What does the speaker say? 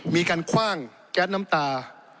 มีการคว่างแก๊สน้ำตา